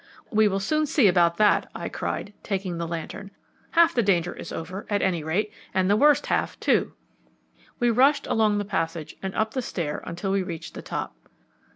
"We will soon see about that," I cried, taking the lantern. "Half the danger is over, at any rate; and the worst half, too." We rushed along the passage and up the stair until we reached the top.